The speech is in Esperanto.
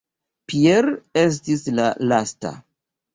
Pier estis la lasta.